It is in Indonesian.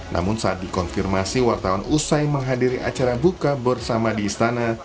namun saat dikonfirmasi wartawan usai menghadiri acara buka bersama di istana